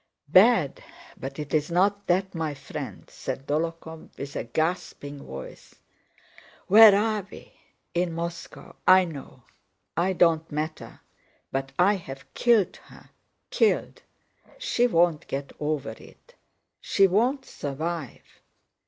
"Bad! But it's not that, my friend—" said Dólokhov with a gasping voice. "Where are we? In Moscow, I know. I don't matter, but I have killed her, killed... She won't get over it! She won't survive...."